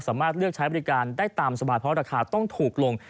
สามารถเลือกใช้บริการได้ตามสบายเพราะราคาต้องถูกลง